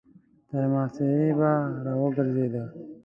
تر محاصرې به را ګرځېده.